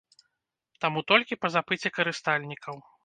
Таму толькі па запыце карыстальнікаў.